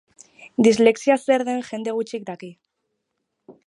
Dislexia zer den jende gutxik daki.